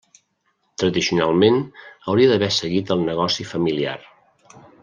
Tradicionalment, hauria d'haver seguit el negoci familiar.